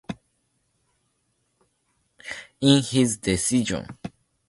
In his decision.